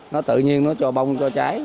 nó tự nhiên nó cho bông cho trái